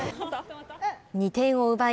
２点を奪い